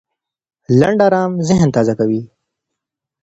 لنډ ارام ذهن تازه کوي.